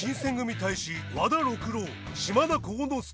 隊士和田六郎島田幸之介。